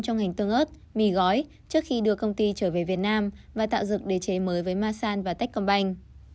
trong hành tương ớt mì gói trước khi đưa công ty trở về việt nam và tạo dựng đề chế mới với ma san và techcombank